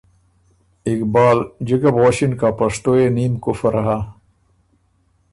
اقبال: جِکه بو غؤݭِن که ”ا پشتو يې نیم کفر هۀ“